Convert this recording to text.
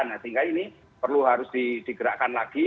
nah sehingga ini perlu harus digerakkan lagi